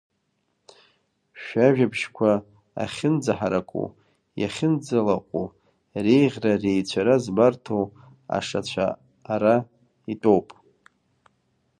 Шәажәабжьқәа ахьынӡаҳараку, иахьынӡалаҟәу, реиӷьра-реицәара збарҭоу ашацәа ара итәоуп!